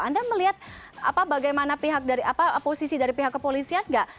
anda melihat apa bagaimana posisi dari pihak kepolisian gak